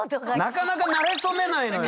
なかなかなれそめないのよ！